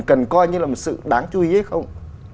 cần coi như là một sự đáng chú ý hay không